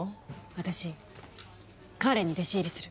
私彼に弟子入りする！